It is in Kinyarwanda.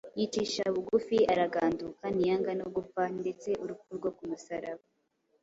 yicisha bugufi, araganduka, ntiyanga no gupfa, ndetse urupfu rwo kumusaraba